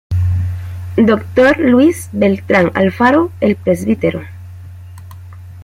Dr. Luis Beltrán Alfaro, el Pbro.